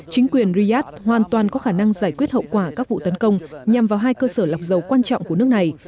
chính quyền riyadh hoàn toàn có khả năng giải quyết hậu quả các vụ tấn công nhằm vào hai cơ sở lọc dầu quan trọng của nước này